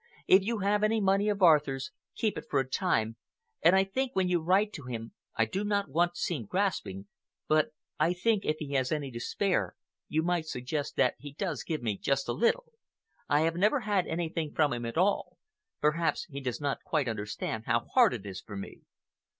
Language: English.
If you have any money of Arthur's, keep it for a time and I think when you write him—I do not want to seem grasping—but I think if he has any to spare you might suggest that he does give me just a little. I have never had anything from him at all. Perhaps he does not quite understand how hard it is for me.